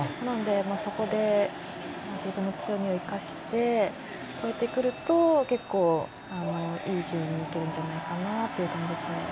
そこで自分の強みを生かしてくると結構、イージーにいけるんじゃないかなという感じですね。